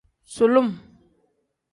Sulum.